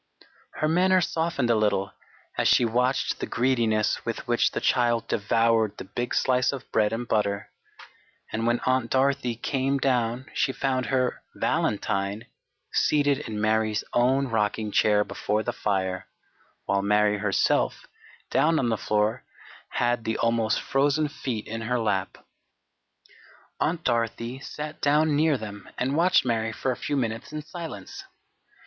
Her manner softened a little as she watched the greediness with which the child devoured the big slice of bread and butter, and when Aunt Dorothy came down she found her "valentine" seated in Mary's own rocking chair before the fire, while Mary herself, down on the floor, had the almost frozen feet in her lap. Aunt Dorothy sat down near them and watched Mary for a few minutes in silence.